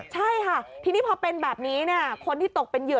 ใช่ค่ะทีนี้พอเป็นแบบนี้คนที่ตกเป็นเหยื่อ